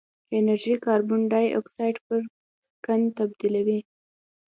انرژي کاربن ډای اکسایډ پر قند تبدیلوي.